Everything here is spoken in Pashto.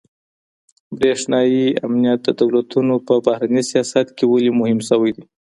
برېښنايي امنيت د دولتونو په بهرني سياست کي ولي مهم سوی دی؟